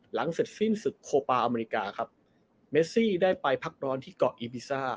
หลังเสร็จสิ้นศึกโคปาอเมริกาครับเมซี่ได้ไปพักร้อนที่เกาะอีบิซ่า